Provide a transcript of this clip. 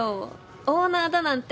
オーナーだなんて。